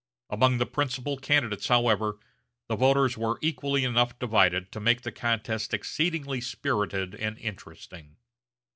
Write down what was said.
Among the principal candidates, however, the voters were equally enough divided to make the contest exceedingly spirited and interesting.